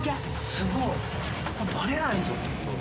すごい。バレないぞ。